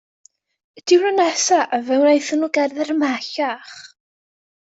Y diwrnod nesaf fe wnaethon nhw gerdded ymhellach.